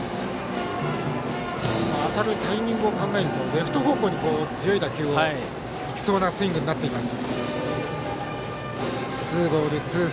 当たるタイミングを考えると、レフト方向に強い打球がいきそうなスイングになっています。